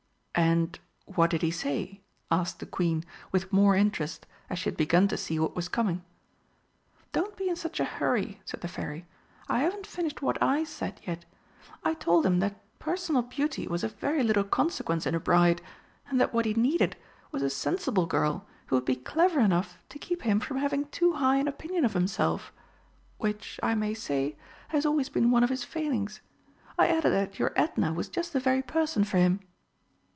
"And what did he say?" asked the Queen, with more interest, as she had begun to see what was coming. "Don't be in such a hurry," said the Fairy; "I haven't finished what I said yet. I told him that personal beauty was of very little consequence in a bride, and that what he needed was a sensible girl who would be clever enough to keep him from having too high an opinion of himself which, I may say, has always been one of his failings. I added that your Edna was just the very person for him."